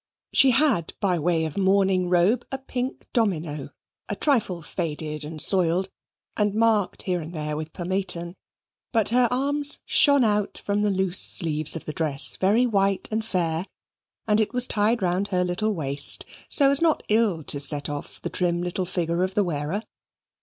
She had, by way of morning robe, a pink domino, a trifle faded and soiled, and marked here and there with pomaturn; but her arms shone out from the loose sleeves of the dress very white and fair, and it was tied round her little waist so as not ill to set off the trim little figure of the wearer.